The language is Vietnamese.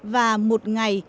và một ngày